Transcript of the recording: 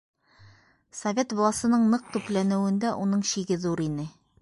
Совет власының ныҡ төпләнеүендә уның шиге ҙур ине.